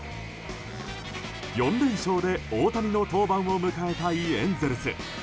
４連勝で大谷の登板を迎えたいエンゼルス。